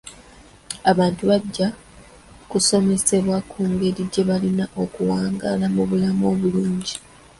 Abantu bajja kusomesebwa ku ngeri gye balina okuwangaala mu bulamu obulungi.